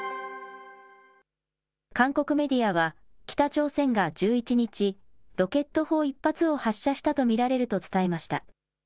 韓国メディアは北朝鮮が１１日、ロケット砲１発を発射したと見られると伝えました。